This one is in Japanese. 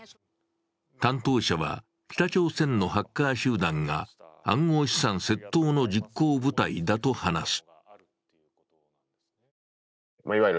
担当者は、北朝鮮のハッカー集団が暗号資産窃盗の実行部隊だと話す。